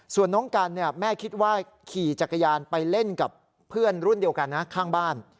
ส่วนน้องกันแม่คิดว่าขี่จักรยานไปเล่นกับเพื่อนรุ่นเดียวกันนะข้างบ้าน